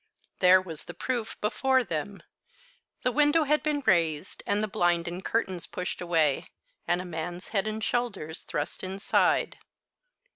There was the proof before them. The window had been raised, the blind and curtains pushed away, and a man's head and shoulders thrust inside.